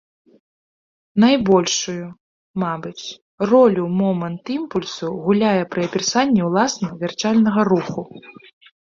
Найбольшую, мабыць, ролю момант імпульсу гуляе пры апісанні уласна вярчальнага руху.